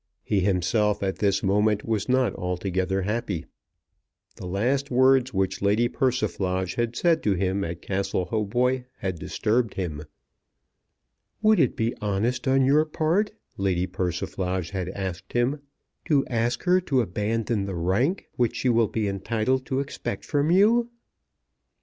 He himself at this moment was not altogether happy. The last words which Lady Persiflage had said to him at Castle Hautboy had disturbed him. "Would it be honest on your part," Lady Persiflage had asked him, "to ask her to abandon the rank which she will be entitled to expect from you?"